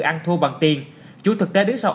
ăn thua bằng tiền chú thực tế đứng sau